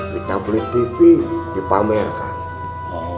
kita beli tv dipamerkan